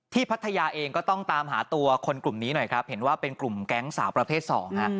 พัทยาเองก็ต้องตามหาตัวคนกลุ่มนี้หน่อยครับเห็นว่าเป็นกลุ่มแก๊งสาวประเภทสองฮะ